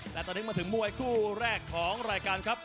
และตอนนี้มาถึงมวยคู่แรกของรายการครับ